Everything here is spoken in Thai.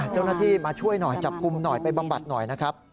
เจ้าหน้าที่มาช่วยหน่อยจับกลุ่มหน่อยไปบำบัดหน่อยนะครับ